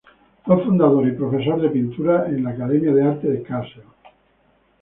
Fue fundador y profesor de pintura en la Academia de Arte de Kassel.